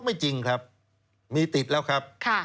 ไม่จริงครับมีติดแล้วครับ